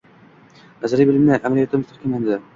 Nazariy bilimlar amaliyotda mustahkamlanadi